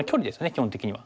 基本的には。